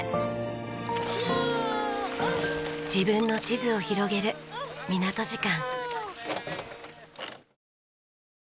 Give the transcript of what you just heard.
自分の地図を広げる港時間。